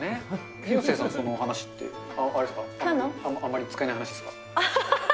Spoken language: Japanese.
広末さんの話って、あまり使えない話ですか。